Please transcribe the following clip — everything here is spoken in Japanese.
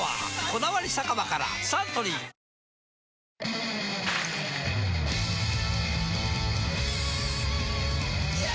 「こだわり酒場」からサントリードンバシャ！